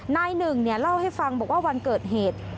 นายหนึ่งเล่าให้ฟังบอกว่าวันเกิดเหตุ